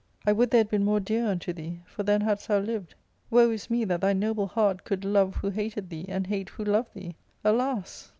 I would they had been more dear unto thee, for then hadst thou lived. Woe is me that thy noble heart could love who hated thee, and hate who loved thee ! Alas